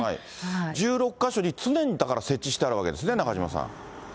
１６か所に常にだから設置してあるわけですね、中島さん。